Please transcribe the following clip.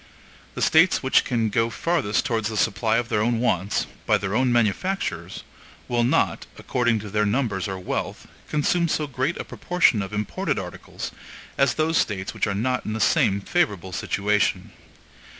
The States which can go farthest towards the supply of their own wants, by their own manufactures, will not, according to their numbers or wealth, consume so great a proportion of imported articles as those States which are not in the same favorable situation.